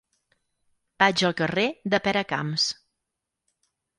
Vaig al carrer de Peracamps.